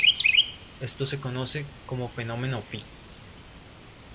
Esto se conoce como Fenómeno Phi.